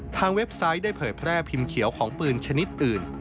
เว็บไซต์ได้เผยแพร่พิมพ์เขียวของปืนชนิดอื่น